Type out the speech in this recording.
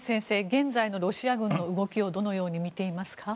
現在のロシア軍の動きをどのように見ていますか？